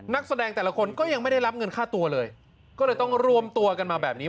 นักแสดงแต่ละคนก็ยังไม่ได้รับเงินค่าตัวเลยก็เลยต้องรวมตัวกันมาแบบนี้